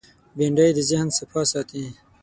بېنډۍ د ذهن صفا ساتي